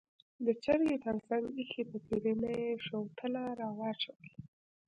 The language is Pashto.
د چرګۍ تر څنګ ایښې پتیلې نه یې شوتله راواچوله.